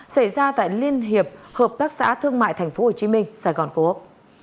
xảy ra tại liên hiệp hợp tác xã thương mại tp hcm sài gòn cố úc